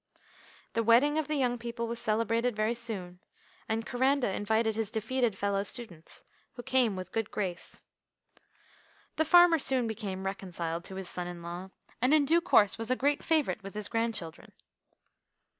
The wedding of the young people was celebrated very soon, and Coranda invited his defeated fellow students, who came with a good grace. The farmer soon became reconciled to his son in law, and in due course was a great favourite with his grandchildren.